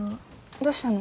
どうしたの？